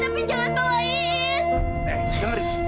tapi jangan bawa iis